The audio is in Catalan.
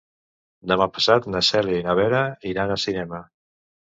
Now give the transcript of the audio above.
Demà passat na Cèlia i na Vera iran al cinema.